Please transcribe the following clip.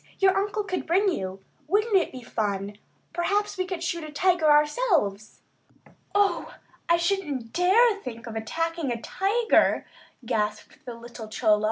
"Your uncle could bring you. Wouldn't it be fun! Perhaps we could shoot a tiger ourselves!" "Oh, I shouldn't dare to even think of attacking a tiger," gasped the gentle little Chola.